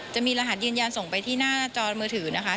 จะมีรหัสยืนยันส่งไปที่หน้าจอมือถือนะคะ